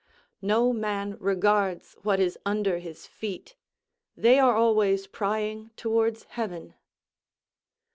"No man regards what is under his feet; They are always prying towards heaven."